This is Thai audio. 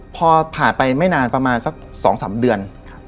พอผ่านไปไม่นานประมาณสัก๒๓เดือน